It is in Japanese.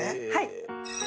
はい。